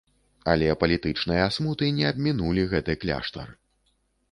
Але палітычныя смуты не абмінулі гэты кляштар.